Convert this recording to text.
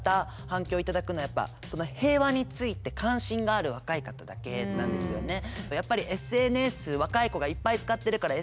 反響を頂くのはやっぱ平和について関心がある若い方だけなんですよね。